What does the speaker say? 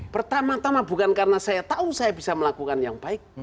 pertama tama bukan karena saya tahu saya bisa melakukan yang baik